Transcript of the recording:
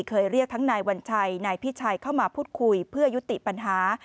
เคยเรียกทั้งนายวัญชัยนายพิชัยเข้ามาพูดคุยเพื่อยุติปัญหา